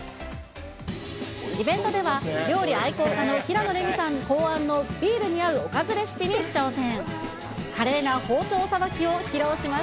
イベントでは料理愛好家の平野レミさん考案の、ビールに合うおかずレシピに挑戦。